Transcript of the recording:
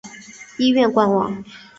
医院官网